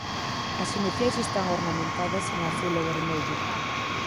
As iniciais están ornamentadas en azul e vermello.